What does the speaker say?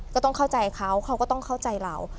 ก็ต้องเข้าใจเขาเขาก็ต้องเข้าใจเรา